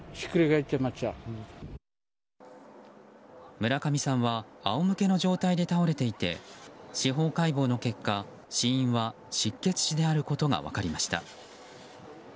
村上さんは仰向けの状態で倒れていて司法解剖の結果、死因は失血死であることが分かりました。